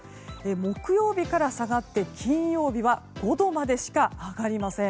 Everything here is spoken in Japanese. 木曜日から下がって、金曜日は５度までしか上がりません。